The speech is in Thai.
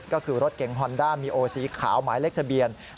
ก็คือรถเก๋งฮอนด้ามีโอสีขาวหมายเลขทะเบียน